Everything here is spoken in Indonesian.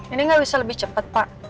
ini gak bisa lebih cepet pak